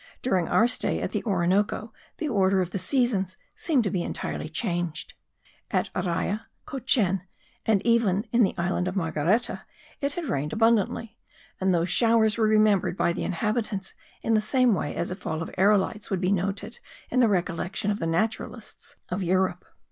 During our stay at the Orinoco the order of the seasons seemed to be entirely changed. At Araya, Cochen, and even in the island of Margareta it had rained abundantly; and those showers were remembered by the inhabitants in the same way as a fall of aerolites would be noted in the recollection of the naturalists of Europe.